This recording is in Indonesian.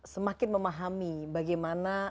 semakin memahami bagaimana